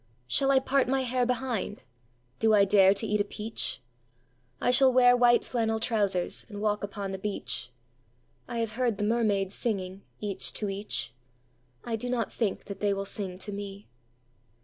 Shall I part my hair behind? Do I dare to eat a peach?I shall wear white flannel trousers, and walk upon the beach.I have heard the mermaids singing, each to each.I do not think that they will sing to me.